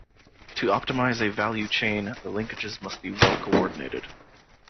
To optimize a value chain, the linkages must be well coordinated.